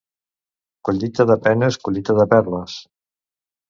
Collita de penes, collita de perles.